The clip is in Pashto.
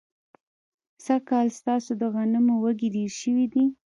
سږ کال ستاسو د غنمو وږي ډېر ښه دي.